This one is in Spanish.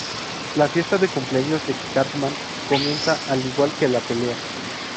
La fiesta de cumpleaños de Cartman comienza, al igual que la pelea.